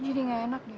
jadi gak enak deh